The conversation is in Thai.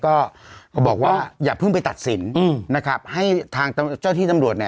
ก็บอกว่าอย่าเพิ่งไปตัดสินนะครับให้ทางเจ้าที่ตำรวจเนี่ย